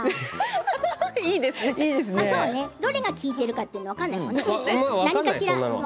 どれが効いてるか分からないもんね。